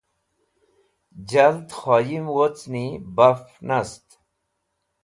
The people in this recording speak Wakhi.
Jald khoyim wocni baf nast